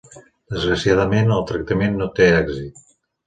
Desgraciadament, el tractament no té èxit.